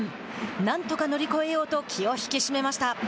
なんとか乗り越えようと気を引き締めました。